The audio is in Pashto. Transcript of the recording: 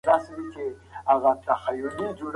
تاریخ هېڅوک نه بخښي.